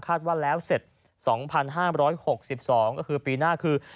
ว่าแล้วเสร็จ๒๕๖๒ก็คือปีหน้าคือ